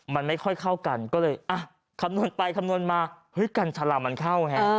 มันไม่ค่อยเข้ากันก็เลยอ่ะคำนวณไปคำนวณมาเฮ้ยกัญชาลามันเข้าฮะ